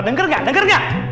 dengar gak dengar gak